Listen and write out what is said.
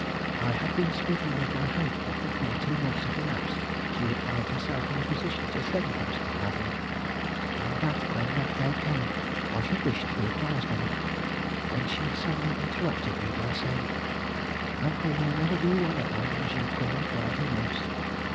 I had been speaking of my hope that before two months had elapsed she would find herself in a position to send for Mr. Clavering, and that when that day came I should wish to be advised of it; when she suddenly interrupted me by saying: "Uncle will never be won upon, as you call it, while he lives.